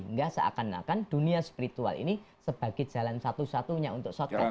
nggak seakan akan dunia spiritual ini sebagai jalan satu satunya untuk shortcut